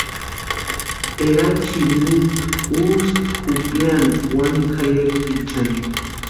Erachieri mitʼu ústi jupiani wani jayakichani.